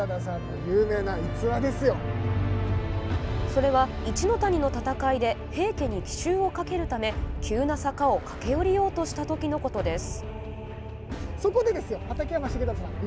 それは一の谷の戦いで平家に奇襲をかけるため急な坂を駆け下りようとしたときのことです。